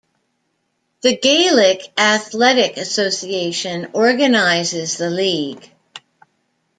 The Gaelic Athletic Association organises the league.